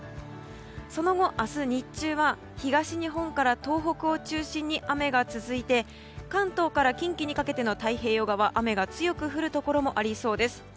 その後、明日日中は東日本から東北を中心に雨が続いて関東から近畿にかけての太平洋側雨が強く降るところもありそうです。